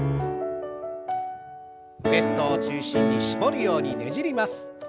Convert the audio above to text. ウエストを中心に絞るようにねじります。